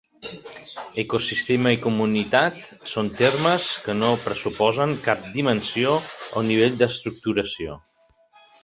Ecosistema i comunitat són termes que no pressuposen cap dimensió o nivell d'estructuració.